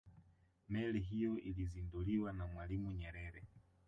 meli hiyo ilizinduliwa na mwalimu nyerere